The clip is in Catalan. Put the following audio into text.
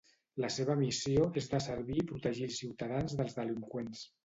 La seva missió és de servir i protegir els ciutadans dels delinqüents.